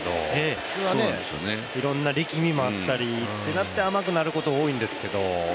普通はいろんな力みもあったり、狙って甘くなること多いんですけど。